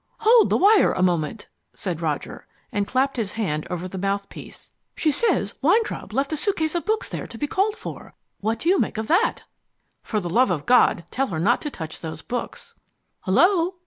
"Hold the wire a moment," said Roger, and clapped his hand over the mouthpiece. "She says Weintraub left a suitcase of books there to be called for. What do you make of that?" "For the love of God, tell her not to touch those books." "Hullo?"